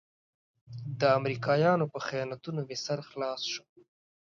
د امريکايانو په خیانتونو مې سر خلاص شو.